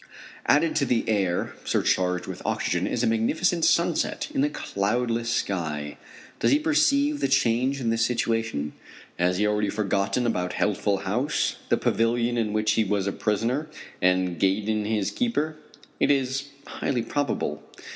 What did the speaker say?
Added to the air surcharged with oxygen is a magnificent sunset in a cloudless sky. Does he perceive the change in his situation? Has he already forgotten about Healthful House, the pavilion in which he was a prisoner, and Gaydon, his keeper? It is highly probable.